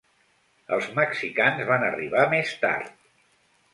Els mexicans van arribar més tard.